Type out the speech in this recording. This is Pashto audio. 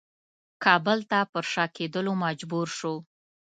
کابل ته پر شا کېدلو مجبور شو.